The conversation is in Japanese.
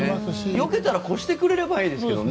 よけたら越してくれればいいですけどね。